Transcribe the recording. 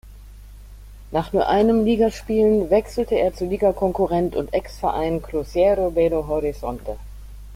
Nach nur einem Ligaspielen wechselte er zu Ligakonkurrent und Ex-Verein Cruzeiro Belo Horizonte.